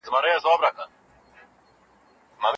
ایا ملي بزګر کاغذي بادام اخلي؟